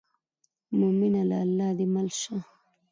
مومنه له الله دې مل شي.